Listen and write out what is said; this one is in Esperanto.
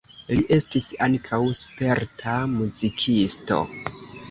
Li estis ankaŭ sperta muzikisto.